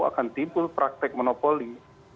akan timbul praktik monopoli